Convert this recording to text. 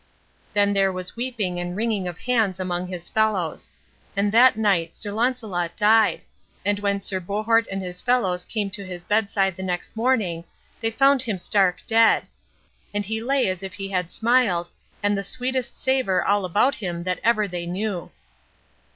Then there was weeping and wringing of hands among his fellows. And that night Sir Launcelot died; and when Sir Bohort and his fellows came to his bedside the next morning they found him stark dead; and he lay as if he had smiled, and the sweetest savor all about him that ever they knew.